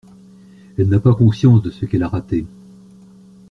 Elle n'a pas conscience de ce qu'elle a raté.